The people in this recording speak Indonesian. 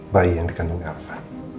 bayi yang dikandungi elsa